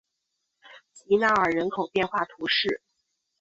吉纳尔人口变化图示